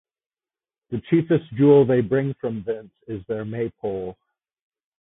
The chiefest jewel they bring from thence is their Maypole.